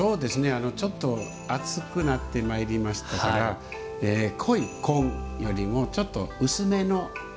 ちょっと暑くなってまいりましたから濃い紺よりもちょっと、薄めの紺。